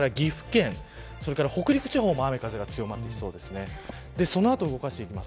それから岐阜県北陸地方も雨風が強まりそうです。